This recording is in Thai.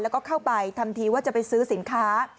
แล้วก็เข้าไปทำทีว่าจะไปซื้อสินค้า